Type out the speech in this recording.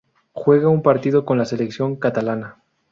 Juega un partido con la selección catalana.